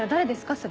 それ。